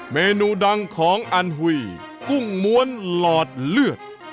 เมนูดังของอันหุยกุ้งม้วนหลอดเลือด